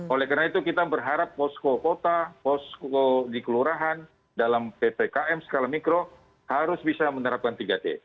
oleh karena itu kita berharap posko kota posko di kelurahan dalam ppkm skala mikro harus bisa menerapkan tiga t